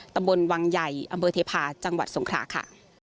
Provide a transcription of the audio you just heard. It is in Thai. ตำบลวังใหญ่อำเภอเทพาะจังหวัดสงคราค่ะ